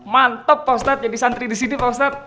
mantap pak ustadz jadi santri di sini pak ustadz